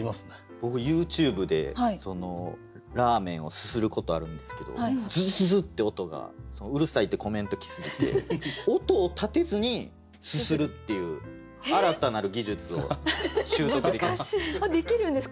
僕ＹｏｕＴｕｂｅでラーメンをすすることあるんですけどズズズッて音がうるさいってコメント来すぎて音を立てずにすするっていう新たなる技術を習得できました。